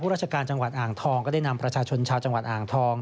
ราชการจังหวัดอ่างทองก็ได้นำประชาชนชาวจังหวัดอ่างทอง